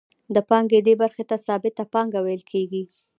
د پانګې دې برخې ته ثابته پانګه ویل کېږي